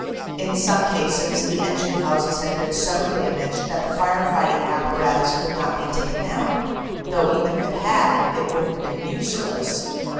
In some cases the engine houses had been so damaged that the fire fighting apparatus could not be taken out, though even if it had it would have been useless.